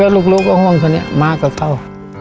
ลูกก็มาที่ห้องนี้มาก็เข้า